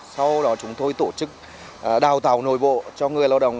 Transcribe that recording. sau đó chúng tôi tổ chức đào tạo nội bộ cho người lao động